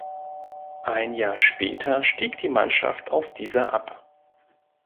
Ein Jahr später stieg die Mannschaft aus dieser ab.